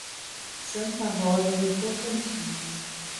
Santa Rosa do Tocantins